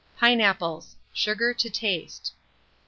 Pineapples; sugar to taste.